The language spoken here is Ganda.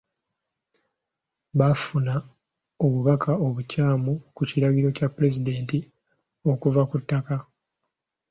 Baafuna obubaka obukyamu ku kiragiro kya pulezidenti okuva ku ttaka.